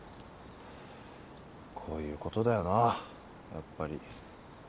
こういうことだよなぁやっぱり。